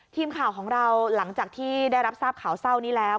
ทีมข่าวของเราหลังจากที่ได้รับทราบข่าวเศร้านี้แล้ว